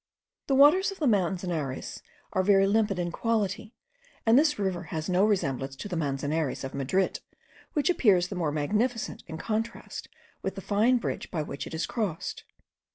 The waters of the Manzanares are very limpid in quality, and this river has no resemblance to the Manzanares of Madrid, which appears the more magnificent in contrast with the fine bridge by which it is crossed.